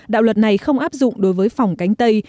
đạo luật này không áp dụng đối với phòng cánh tây